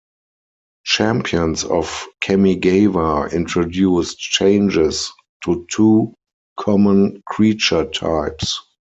"Champions of Kamigawa" introduced changes to two common creature types.